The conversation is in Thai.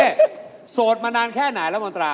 โอเคสดมานานแค่ไหนละมอนตรา